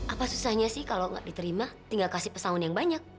apa susahnya sih kalau nggak diterima tinggal kasih pesangon yang banyak